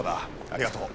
ありがとう。